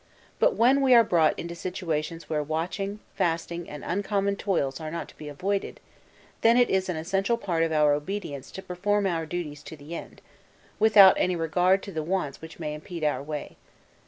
But when we are brought into situations where watching, fasting, and uncommon toils are not to be avoided, then it is an essential part of our obedience to perform our duties to the end, without any regard to the wants which may impede our way.